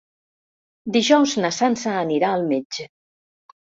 Dijous na Sança anirà al metge.